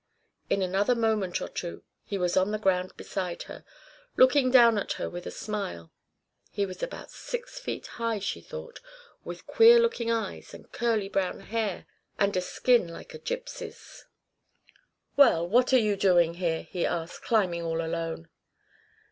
In another moment or two he was on the ground beside her, looking down at her with a smile. He was about six feet high, she thought, with queer looking eyes and curly brown hair and a skin like a gipsy's. "Well, what are you doing here," he asked, "climbing all alone?"